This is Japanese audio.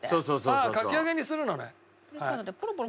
ああかき揚げにするのね。